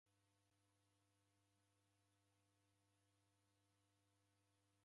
Simamenyi dibore chumbo iw'i